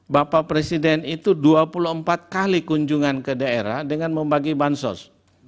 bapak presiden itu dua puluh empat kali kunjungan ke daerah dengan membagi bansos